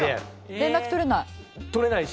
連絡とれない。